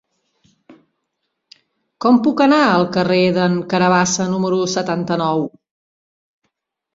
Com puc anar al carrer d'en Carabassa número setanta-nou?